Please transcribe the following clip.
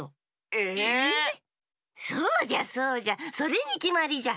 え⁉そうじゃそうじゃそれにきまりじゃ。